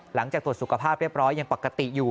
หลังจากตรวจสุขภาพเรียบร้อยยังปกติอยู่